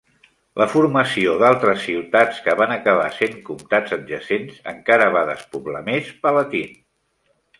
La formació d'altres ciutats que van acabar sent comtats adjacents encara va despoblar més Palatine.